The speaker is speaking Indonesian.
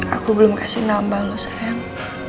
aku belum kasih nama lo sayang